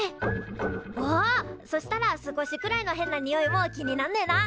あそしたら少しくらいの変なにおいも気になんねえな。